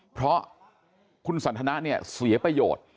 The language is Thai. เพราะคุณสันทนาเนี่ยเสียประโยชน์